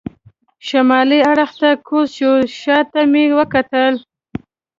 شمالي اړخ ته کوز شو، شا ته مې وکتل.